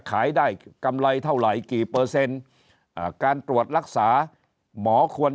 ขายได้กำไรเท่าไหร่กี่เปอร์เซ็นต์การตรวจรักษาหมอควร